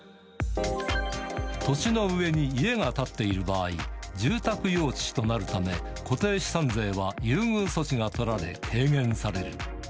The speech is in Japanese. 土地の上に家が建っている場合、住宅用地となるため、固定資産税は優遇措置が取られ、軽減される。